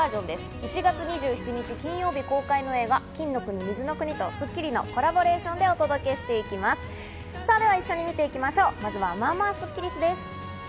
１月２７日金曜日公開の映画『金の国水の国』と『スッキリ』のコラボレーションでお届けしていきます。